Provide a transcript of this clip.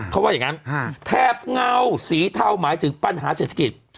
เวลาผมเรางั้นแทบเงาคลามสีเทาหมายถึงปัญหาเศรษฐกิจ